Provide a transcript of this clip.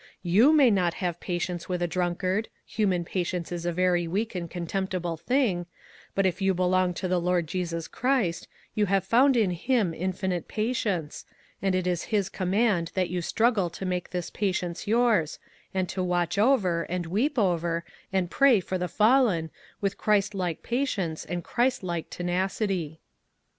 You may not have patience with a drunkard — human patience is a very weak and contemptible thing — but if you belong to the Lord Jesus Christ, you have found in him infinite patience, and it is his com mand that you struggle to make this pa tience yours, and to watch over, and weep for, and pray for the fallen with Christ like patience and Christ like tenacity."